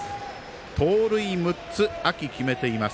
盗塁６つ、秋決めています。